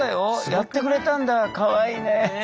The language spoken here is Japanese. やってくれたんだかわいいね」っつって。